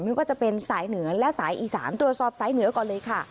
ไม่ว่าจะเป็นสายเหนือและสายอีสานตรวจสอบสายเหนือก่อนเลยค่ะ